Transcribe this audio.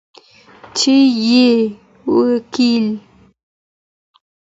چي یې وکتل